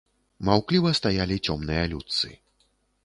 Маўкліва стаялі цёмныя людцы.